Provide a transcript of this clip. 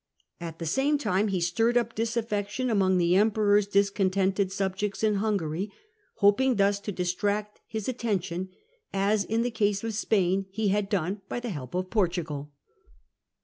At the same time he stirred up disaffection among the Emperor's discontented subjects in Hungary, hoping thus to distract his attention, as in the case of Spain he had done by the help of Portugal.